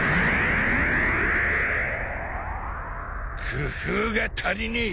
工夫が足りねえ！